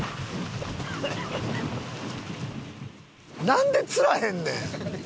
なんで釣らへんねん！